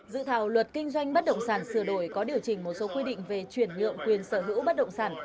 dự thảo luật kinh doanh bất động sản sửa đổi có điều chỉnh một số quy định về chuyển nhượng quyền sở hữu bất động sản